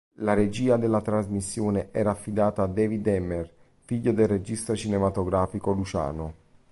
La regia della trasmissione era affidata a David Emmer, figlio del regista cinematografico Luciano.